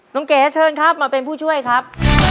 น้องก๋แก่เชิญมาเป็นผู้ช่วยครับ